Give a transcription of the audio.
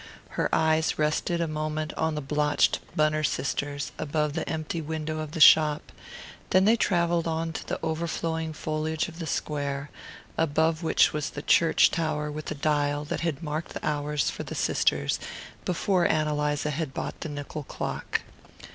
Her eyes rested a moment on the blotched "Bunner Sisters" above the empty window of the shop; then they travelled on to the overflowing foliage of the Square, above which was the church tower with the dial that had marked the hours for the sisters before Ann Eliza had bought the nickel clock.